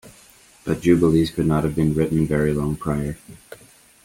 But "Jubilees" could not have been written "very long" prior.